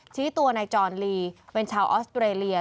ชี้ตัวนายจอนลีเป็นชาวออสเตรเลีย